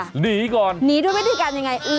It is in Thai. หนีก่อนหนีด้วยวิธีการยังไง